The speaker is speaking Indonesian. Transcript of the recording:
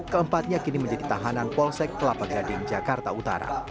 keempatnya kini menjadi tahanan polsek kelapa gading jakarta utara